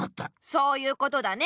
そういうことだね。